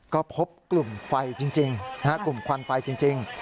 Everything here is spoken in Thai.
ก็พบกลุ่มไฟจริงกลุ่มควันไฟจริง